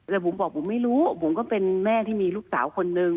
แล้วผมบอกผมไม่รู้ผมก็เป็นแม่ที่มีลูกสาวคนนึง